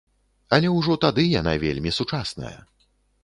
Але ўжо тады яна вельмі сучасная.